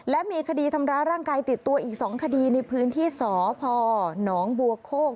และมีคดีทำร้ายร่างกายติดตัวอีก๒คดีในพื้นที่สพหนองบัวโคก